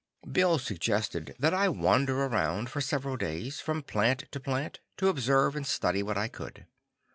Bill suggested that I wander around for several days, from plant to plant, to observe and study what I could.